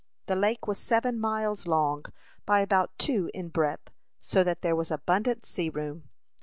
The lake was seven miles long, by about two in breadth, so that there was abundant sea room.